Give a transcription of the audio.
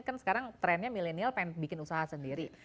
kan sekarang trendnya milenial pengen bikin usaha sendiri